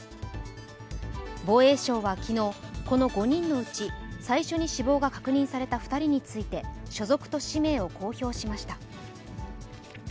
防衛省は昨日、この５人のうち最初に死亡が確認された２人について所属と氏名を公表しました。